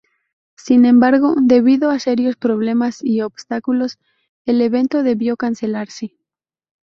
Sin embargo, debido a serios problemas y obstáculos el evento debió cancelarse.